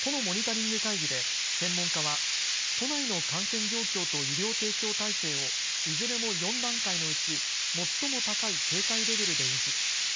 都のモニタリング会議で専門家は都内の感染状況と医療提供体制をいずれも４段階のうち最も高い警戒レベルで維持。